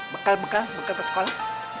bekal bekal bekal sekolah